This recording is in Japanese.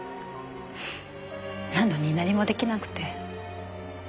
なのに何も出来なくて。